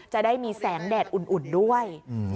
จะได้มีแสงแดดอุ่นด้วย